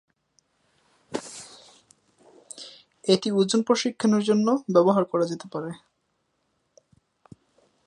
এটি ওজন প্রশিক্ষণের জন্যও ব্যবহার করা যেতে পারে।